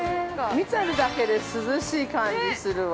見てるだけで、涼しい感じするわ。